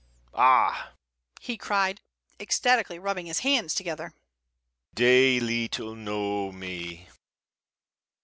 Ah!" he cried, ecstatically, rubbing his hands together, "they little know me!